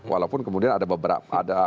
walaupun kemudian ada beberapa